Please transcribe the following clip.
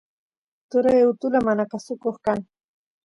turay utula manakusuko kan